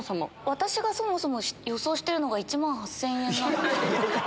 私がそもそも予想してるのが１万８０００円なので。